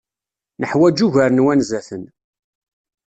Neḥwaǧ ugar n wanzaten.